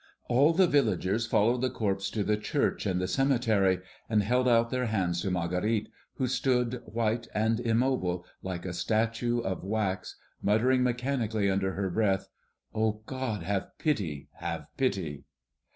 All the villagers followed the corpse to the church and the cemetery, and held out their hands to Marguerite, who stood white and immobile, like a statue of wax, muttering mechanically under her breath, "O God, have pity! have pity!"